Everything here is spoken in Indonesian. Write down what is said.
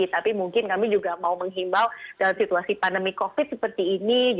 tapi mungkin kami juga mau menghimbau dalam situasi pandemi covid seperti ini